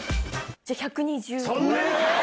じゃあ、１２０人。